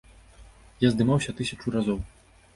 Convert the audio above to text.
Я здымаўся тысячу разоў!